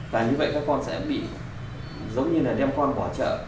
và như vậy các con sẽ bị giống như là đem con bỏ chợ